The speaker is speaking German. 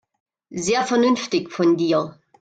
Sehr vernünftig von dir.